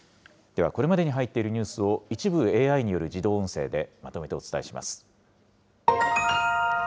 では、これまでに入っているニュースを一部ＡＩによる自動音声でまとめてお伝えします。